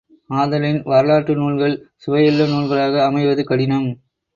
ஆதலின் வரலாற்று நூல்கள் சுவையுள்ள நூல்களாக அமைவது கடினம்.